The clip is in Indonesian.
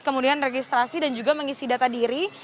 kemudian registrasi dan juga mengisi data diri